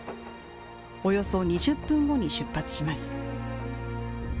およそ２０分後に出発します。